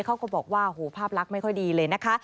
เขาก็บอกว่าโหภาพลักษณ์ไม่ค่อยดีเลยนะคะ